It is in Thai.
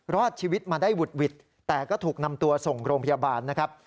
รอดชีวิตมาได้หุดหวิดแต่ก็ถูกนำตัวส่งโรงพยาบาลนะครับ